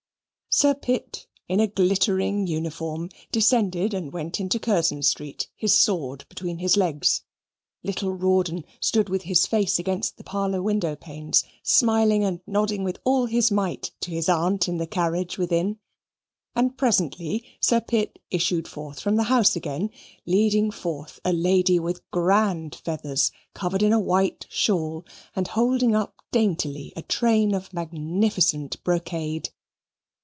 Sir Pitt, in a glittering uniform, descended and went into Curzon Street, his sword between his legs. Little Rawdon stood with his face against the parlour window panes, smiling and nodding with all his might to his aunt in the carriage within; and presently Sir Pitt issued forth from the house again, leading forth a lady with grand feathers, covered in a white shawl, and holding up daintily a train of magnificent brocade.